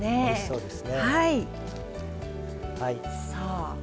はいそうですね。